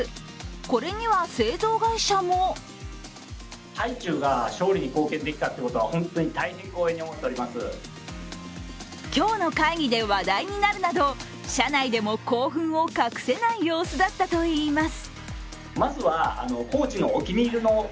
これには製造会社も今日の会議で話題になるなど社内でも興奮を隠せない様子だったといいます。